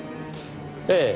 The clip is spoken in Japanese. ええ。